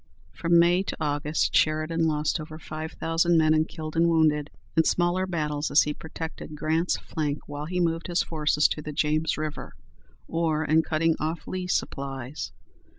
From May to August Sheridan lost over five thousand men in killed and wounded, in smaller battles as he protected Grant's flank while he moved his forces to the James River, or in cutting off Lee's supplies.